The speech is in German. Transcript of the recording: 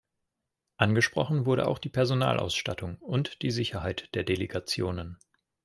Angesprochen wurden auch die Personalausstattung und die Sicherheit der Delegationen.